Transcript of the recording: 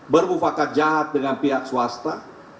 bermufakat jahat dengan pihak swasta